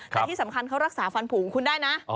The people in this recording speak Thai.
แต่ที่สำคัญเขารักษาฟันผูงคุณได้นะ